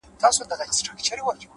هره شېبه!